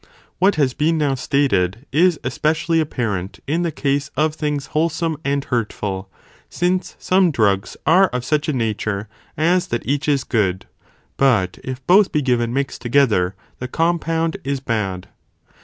What has been now stated is especially apparent in the case of things wholesome and hurtful, since some drugs are of such a nature as that each is good, but if both be given mixed to gether, (the compound is) bad.